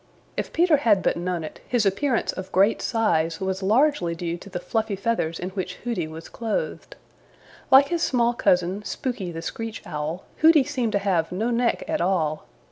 If Peter had but known it, his appearance of great size was largely due to the fluffy feathers in which Hooty was clothed. Like his small cousin, Spooky the Screech Owl, Hooty seemed to have no neck at all.